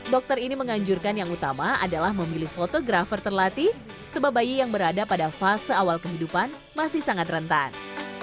dokter ini menganjurkan yang utama adalah memilih fotografer terlatih sebab bayi yang berada pada fase awal kehidupan masih sangat rentan